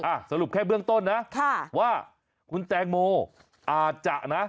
สรุปแค่เบื้องต้นนะค่ะว่าคุณแตงโมอาจจะนะ